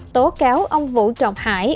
tố cáo ông vũ trọng hải